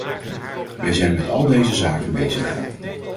Wij zijn met al deze zaken bezig.